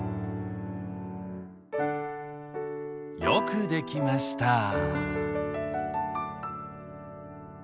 よくできました。